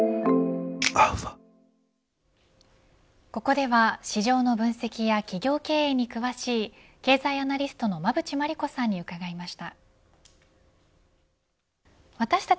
ここでは市場の分析や企業経営に詳しい経済アナリストの馬渕磨理子さんに伺いました。